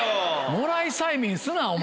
もらい催眠すなお前。